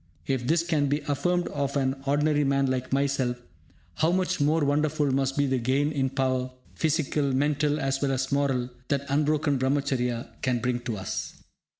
If this can be affirmed of an ordinary man like myself, how much more wonderful must be the gain in power, physical, mental, as well as moral that unbroken Brahmacharya can bring to us!